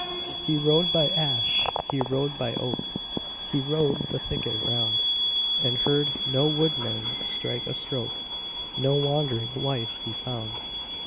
He rode by ash, he rode by oak, He rode the thicket round, And heard no woodman strike a stroke, No wandering wife he found.